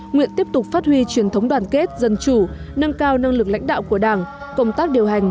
nguyện tiếp tục phát huy truyền thống đoàn kết dân chủ nâng cao năng lực lãnh đạo của đảng công tác điều hành